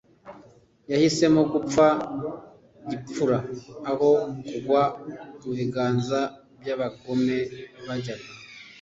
yahisemo gupfa gipfura aho kugwa mu biganza by'abagome bajyaga